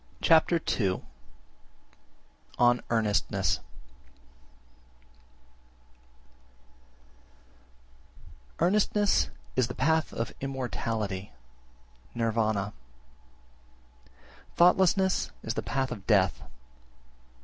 Chapter II. On Earnestness 21. Earnestness is the path of immortality (Nirvana), thoughtlessness the path of death.